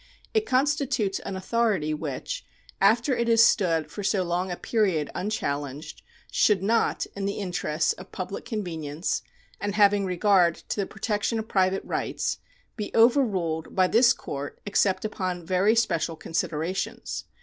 It constitutes an authority which, after it has stood for so long a period unchallenged, should not, in the interests of public con venience, and having regard to the protection of private rights, be over ruled by this court except upon very special considerations.